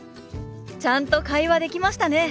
ちゃんと会話できましたね！